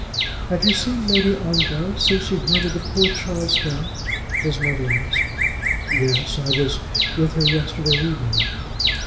"Have you seen Lady Ongar since she heard of the poor child's death?" his mother asked. "Yes, I was with her yesterday evening."